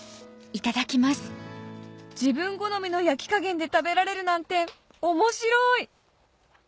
自分好みの焼き加減で食べられるなんて面白い！